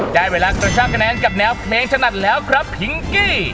ได้เวลากระชากคะแนนกับแนวเพลงถนัดแล้วครับพิงกี้